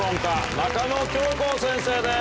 中野京子先生です。